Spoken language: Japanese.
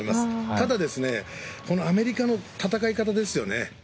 ただ、このアメリカの戦い方ですよね。